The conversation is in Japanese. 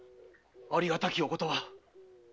ありがたきお言葉。